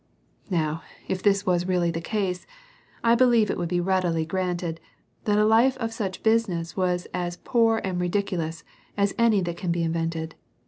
Now, if this was really the case, I believe it would be readily granted, that a life of such business was as poor and ridiculous as any that can be invented.